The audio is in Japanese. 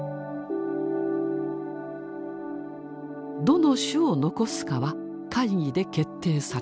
どの種を残すかは会議で決定される。